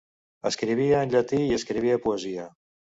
Escrivia en llatí i escrivia poesia.